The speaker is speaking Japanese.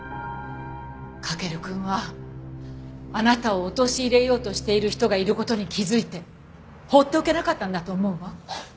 駆くんはあなたを陥れようとしている人がいる事に気づいて放っておけなかったんだと思うわ。